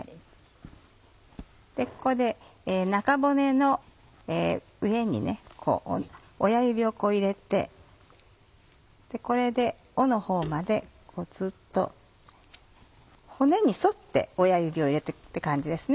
ここで中骨の上に親指を入れてこれで尾のほうまでずっと骨に沿って親指を入れて行くって感じですね。